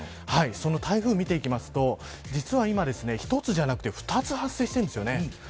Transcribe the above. その台風を見ていきますと実は今、１つじゃなくて２つ発生しているんです。